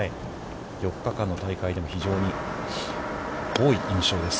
４日間の大会でも非常に多い印象です。